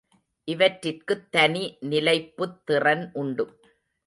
இவற்றிற்குத் தனி நிலைப்புத் திறன் உண்டு.